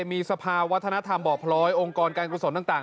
มีสภาวัฒนธรรมบ่อพลอยองค์กรการกุศลต่าง